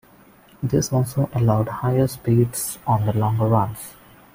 This also allowed higher speeds on the longer runs.